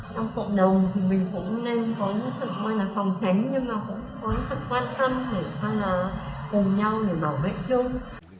trong cộng đồng thì mình cũng nên có một sự phòng thánh nhưng mà cũng có một sự quan trọng để cùng nhau để bảo vệ chung